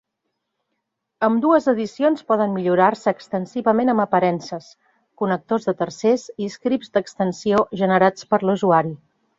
Ambdues edicions poden millorar-se extensivament amb aparences, connectors de tercers i scripts d'extensió generats per l'usuari.